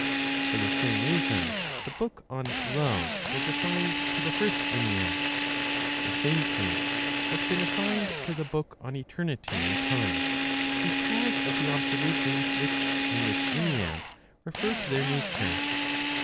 For the same reason the book on Love was assigned to the First Ennead. The same place has been assigned to the book on Eternity and Time, because of the observations which, in this Ennead, refer to their nature.